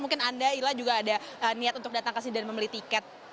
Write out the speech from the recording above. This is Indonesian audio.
mungkin anda ila juga ada niat untuk datang ke sini dan membeli tiket